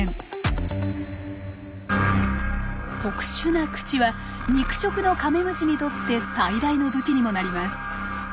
特殊な口は肉食のカメムシにとって最大の武器にもなります。